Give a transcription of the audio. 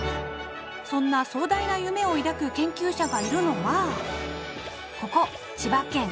そんな壮大な夢を抱く研究者がいるのはここ千葉県柏市。